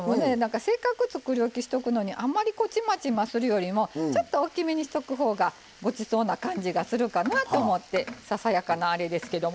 せっかくつくりおきしておくのにあんまりちまちまするよりもちょっとおっきめにしとく方がごちそうな感じがするかなと思ってささやかなあれですけども。